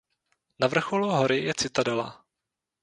Na vrcholu hory je Citadela.